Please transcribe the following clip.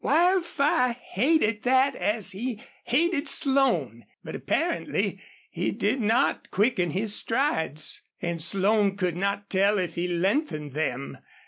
Wildfire hated that as he hated Slone. But apparently he did not quicken his strides. And Slone could not tell if he lengthened them.